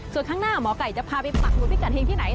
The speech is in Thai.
ส่วนข้างหน้าหมอไก่จะพาไปปักหมุดพิกัดเฮงที่ไหน